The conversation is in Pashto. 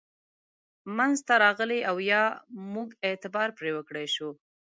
منځته راغلي او یا موږ اعتبار پرې وکړای شو.